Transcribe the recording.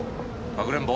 「かくれんぼ」？